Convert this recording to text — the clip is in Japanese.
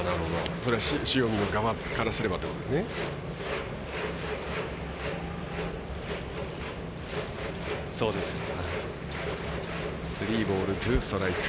塩見の側からすればということですね。